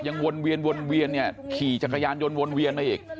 วนเวียนวนเวียนเนี่ยขี่จักรยานยนต์วนเวียนมาอีก